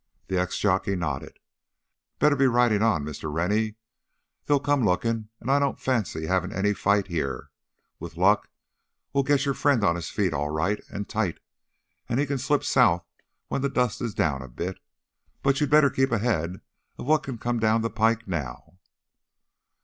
The ex jockey nodded. "Better be riding on, Mr. Rennie. They'll come looking, and I don't fancy having any fight here. With luck we'll get your friend on his feet all right and tight, and he can slip south when the dust is down a bit. But you'd better keep ahead of what can come down the pike now."